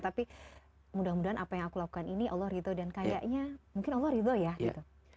tapi mudah mudahan apa yang aku lakukan ini allah gitu dan kayaknya mungkin allah ridho ya gitu